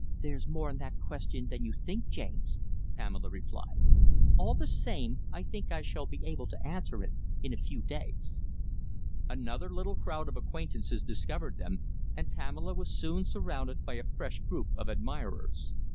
"There's more in that question than you think, James," Pamela replied. "All the same, I think I shall be able to answer it in a few days." Another little crowd of acquaintances discovered them, and Pamela was soon surrounded by a fresh group of admirers.